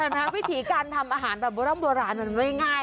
เห็นไหมครับวิธีการทำอาหารแบบบร้อมโบราณมันไม่ง่าย